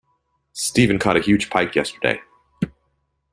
Stephen caught a huge pike yesterday